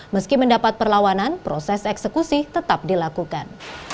meski mendapat perlawanan proses eksekusi tetap dilakukan